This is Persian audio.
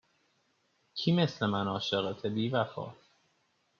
کی مثل من عاشقته بی وفا